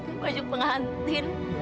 memakai baju pengantin